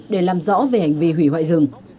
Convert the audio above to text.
để làm rõ về hành vi hủy hoại rừng